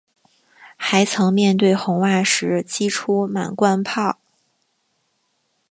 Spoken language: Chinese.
还曾面对红袜时击出满贯炮。